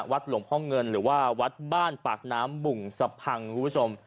หลวงพ่อเงินหรือว่าวัดบ้านปากน้ำบุ่งสะพังคุณผู้ชม